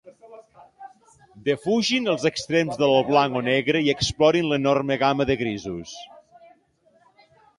Defugin els extrems del blanc-o-negre i explorin l'enorme gamma de grisos.